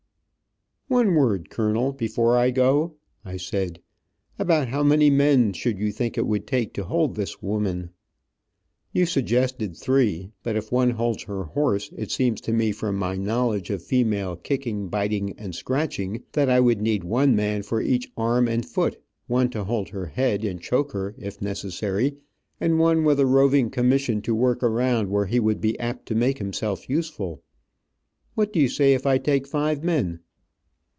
"One word, colonel, before I go," I said. "About how many men should you think it would take to hold this woman? You suggested three, but if one holds her horse, it seems to me, from my knowledge of female kicking, biting and scratching, that I would need one man for each arm and foot, one to hold her head and choke her, if necessary, and one with a roving commission to work around where he would be apt to make himself useful. What do you say if I take five men!"